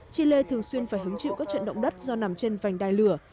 chile thường xuyên phải hứng chịu các trận động đất do nằm trên vành đai lửa